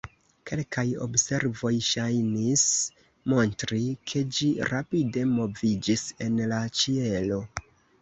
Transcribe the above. Kelkaj observoj ŝajnis montri, ke ĝi rapide moviĝis en la ĉielo.